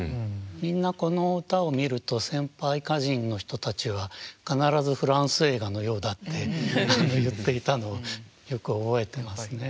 みんなこの歌を見ると先輩歌人の人たちは必ずフランス映画のようだって言っていたのをよく覚えてますね。